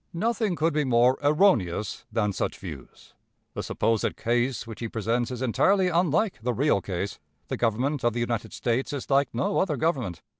Nothing could be more erroneous than such views. The supposed case which he presents is entirely unlike the real case. The Government of the United States is like no other government.